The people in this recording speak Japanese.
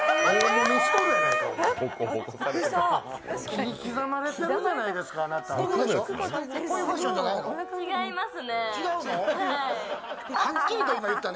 切り刻まれてるやないですか、あなた。